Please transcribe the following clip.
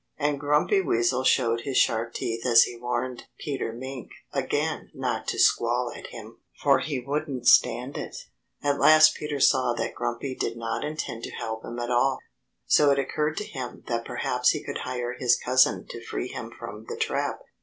And Grumpy Weasel showed his sharp teeth as he warned Peter Mink again not to squall at him, for he wouldn't stand it. At last Peter saw that Grumpy did not intend to help him at all. So it occurred to him that perhaps he could hire his cousin to free him from the trap.